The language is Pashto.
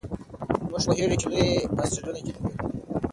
موږ پوهېږو چې لوی اسټروېډونه چیرته دي.